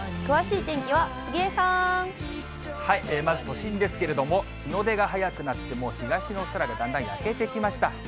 まず都心ですけれども、日の出が早くなって、もう東の空がだんだん焼けてきました。